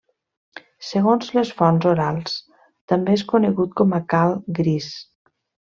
Segons les fonts orals, també és conegut com a Cal Gris.